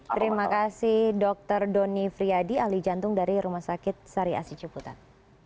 terima kasih dokter doni friyadi ahli jantung dari rumah sakit sari asi ciputan